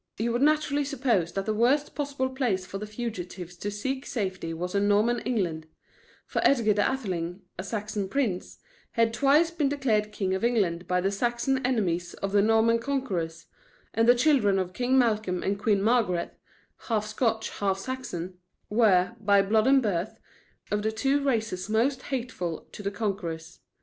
You would naturally suppose that the worst possible place for the fugitives to seek safety was in Norman England; for Edgar the Atheling, a Saxon prince, had twice been declared king of England by the Saxon enemies of the Norman conquerors, and the children of King Malcolm and Queen Margaret half Scotch, half Saxon were, by blood and birth, of the two races most hateful to the conquerors.